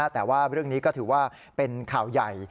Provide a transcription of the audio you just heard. แต่ว่าเรื่องนี้ก็ถือว่าเป็นข่าวใหญ่